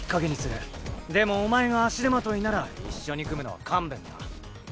でもお前が足手まといなら一緒に組むのは勘弁だ。